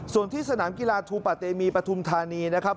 ส่วนที่สนามกีฬาทูปะเตมีปฐุมธานีนะครับ